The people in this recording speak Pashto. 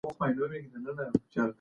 ایا ته سمارټ وسایل کاروې؟